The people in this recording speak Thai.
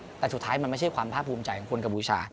แต่ประถูปสุดท้ายมันไม่ใช่ความท่าภูมิใจของคนกบูชา